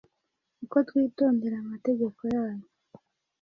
uko twitondera amategeko yayo